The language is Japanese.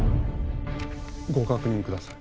・ご確認ください